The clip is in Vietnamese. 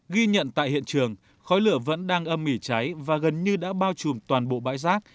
ghi nhận tại hiện trường khói lửa vẫn đang âm mỉ cháy và gần như đã bao trùm toàn bộ bãi rác